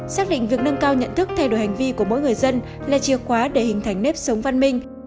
xác định việc nâng cao nhận thức thay đổi hành vi của mỗi người dân là chìa khóa để hình thành nếp sống văn minh